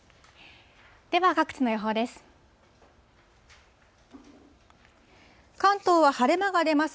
では、各地の予報です。